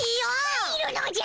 入るのじゃ。